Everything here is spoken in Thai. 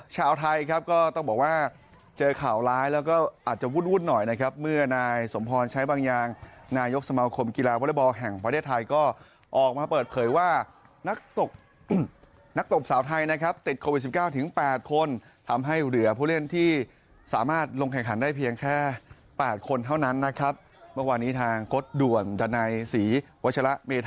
ชาวไทยครับก็ต้องบอกว่าเจอข่าวร้ายแล้วก็อาจจะวุ่นหน่อยนะครับเมื่อนายสมพรใช้บางอย่างนายกสมาคมกีฬาวอเล็กบอลแห่งประเทศไทยก็ออกมาเปิดเผยว่านักตกนักตบสาวไทยนะครับติดโควิด๑๙ถึง๘คนทำให้เหลือผู้เล่นที่สามารถลงแข่งขันได้เพียงแค่๘คนเท่านั้นนะครับเมื่อวานนี้ทางโค้ดด่วนดันัยศรีว